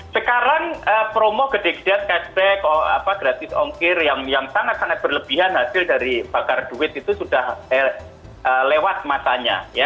sekarang promo gede gedean cashback gratis ongkir yang sangat sangat berlebihan hasil dari bakar duit itu sudah lewat matanya